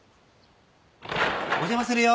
・・お邪魔するよ。